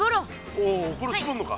おおこれしぼるのか。